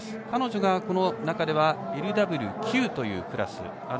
彼女がこの中ではＬＷ９というクラス。